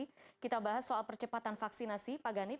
ini kita bahas soal percepatan vaksinasi pak ganip